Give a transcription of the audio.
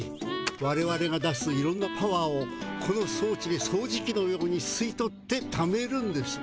われわれが出すいろんなパワーをこのそうちでそうじきのようにすいとってためるんです。